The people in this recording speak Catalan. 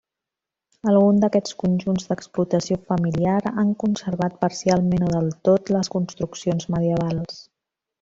Algun d'aquests conjunts d'explotació familiar han conservat parcialment o del tot les construccions medievals.